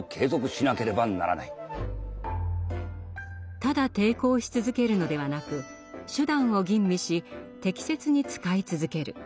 ただ抵抗し続けるのではなく手段を吟味し適切に使い続ける。